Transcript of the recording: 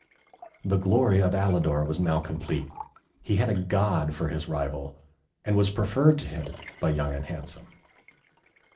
The glory of Alidor was now complete. He had a God for his rival, and was preferred to him by Young and Handsome.